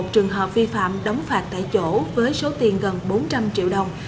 bảy trăm một mươi một trường hợp vi phạm đóng phạt tại chỗ với số tiền gần bốn trăm linh triệu đồng